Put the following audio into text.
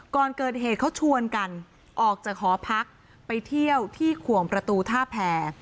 ก่อนเกิดเหตุเขาชวนกันออกจากหอพักไปเที่ยวที่ขวงประตูท่าแผ่